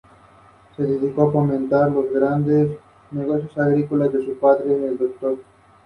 La música de la película fue compuesta por John Cale de The Velvet Underground.